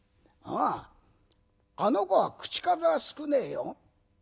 あああの子は口数は少ねえよ。